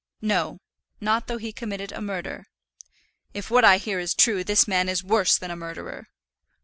"No; not though he committed a murder." "If what I hear is true, this man is worse than a murderer."